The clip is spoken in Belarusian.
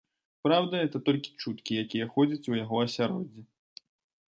Праўда, гэта толькі чуткі, якія ходзяць у яго асяроддзі.